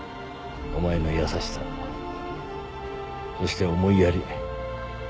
お前の優しさそして思いやり